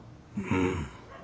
うん。